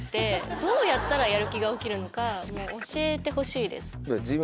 どうやったらやる気が起きるのか教えてほしいです。